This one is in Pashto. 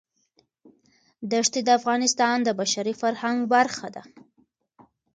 دښتې د افغانستان د بشري فرهنګ برخه ده.